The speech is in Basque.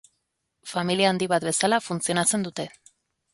Familia handi bat bezala funtzionatzen dute.